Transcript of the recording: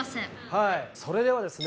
はいそれではですね